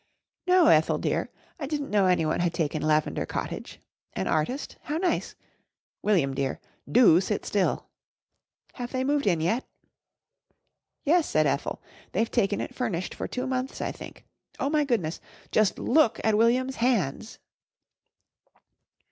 "No, Ethel dear, I didn't know anyone had taken Lavender Cottage. An artist? How nice! William dear, do sit still. Have they moved in yet?" "Yes," said Ethel, "they've taken it furnished for two months, I think. Oh, my goodness, just look at William's hands!"